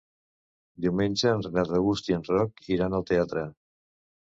Diumenge en Renat August i en Roc iran al teatre.